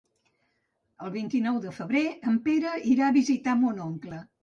El vint-i-nou de febrer en Pere irà a visitar mon oncle.